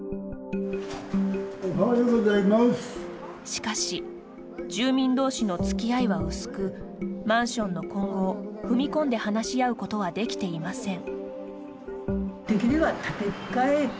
しかし、住民同士のつきあいは薄くマンションの今後を踏み込んで話し合うことはできていません。